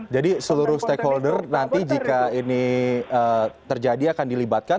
seluruh stakeholder nanti jika ini terjadi akan dilibatkan